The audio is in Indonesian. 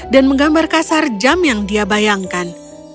dan menggambar kasar jam yang dia bayangkan